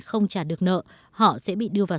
không trả được nợ họ sẽ bị đưa vào